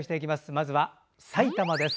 まずは埼玉です。